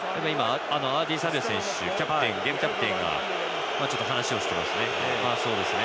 アーディー・サベア選手ゲームキャプテンが話をしています。